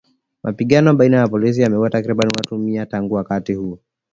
Mapigano baina ya polisi yameuwa takriban watu mia tangu wakati huo.